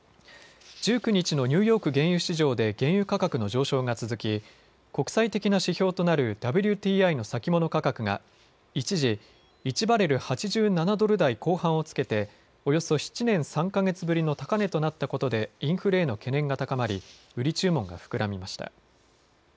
１９日のニューヨーク原油市場で原油価格の上昇が続き、国際的な指標となるＷＴＩの先物価格が一時、１バレル８７ドル台後半をつけておよそ７年３か月ぶりの高値となったことでインフレへの懸念が高まり売り注文が膨らみました。